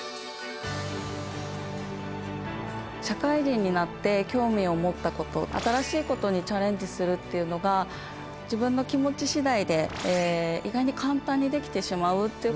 社会人になって興味を持ったこと新しいことにチャレンジするっていうのが自分の気持ち次第で意外に簡単にできてしまうっていうことが分かりました。